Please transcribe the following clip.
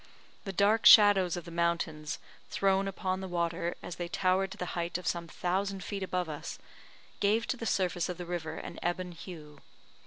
The dark shadows of the mountains, thrown upon the water, as they towered to the height of some thousand feet above us, gave to the surface of the river an ebon hue.